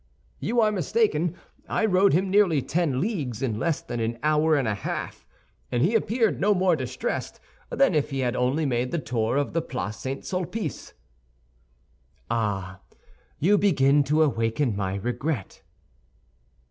"You are mistaken; I rode him nearly ten leagues in less than an hour and a half, and he appeared no more distressed than if he had only made the tour of the Place St. Sulpice." "Ah, you begin to awaken my regret."